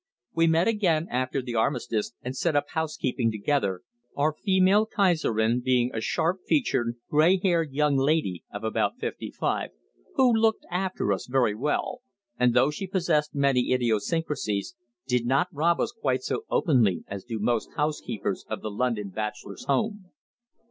We met again after the Armistice and set up housekeeping together, our female "Kaiserin" being a sharp featured, grey haired young lady of about fifty five, who "looked after us" very well, and though she possessed many idiosyncrasies, did not rob us quite so openly as do most housekeepers of the London bachelor's home.